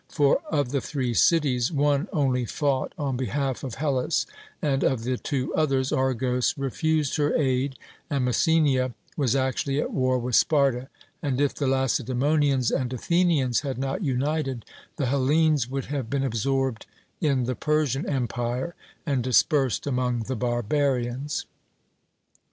For of the three cities one only fought on behalf of Hellas; and of the two others, Argos refused her aid; and Messenia was actually at war with Sparta: and if the Lacedaemonians and Athenians had not united, the Hellenes would have been absorbed in the Persian empire, and dispersed among the barbarians.